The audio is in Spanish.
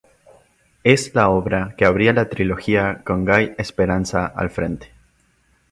Es la obra que abría la trilogía con Guy Speranza al frente.